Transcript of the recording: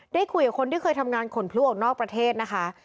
ได้คุยกับคนที่เคยทำงานขนพลุออกนอกประเทศนะคะ